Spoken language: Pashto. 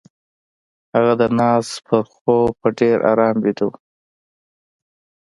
هغه د ناز پر خوب په ډېر آرام ويده وه.